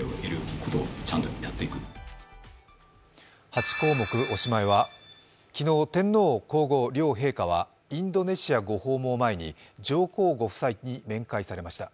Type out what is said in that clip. ８項目、おしまいは、昨日、天皇皇后両陛下はインドネシアご訪問を前に上皇ご夫妻に面会されました。